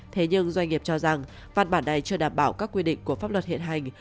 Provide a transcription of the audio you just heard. thế nhưng doanh nghiệp cho rằng văn bản này chưa đảm bảo các quy định của pháp luật hiện hành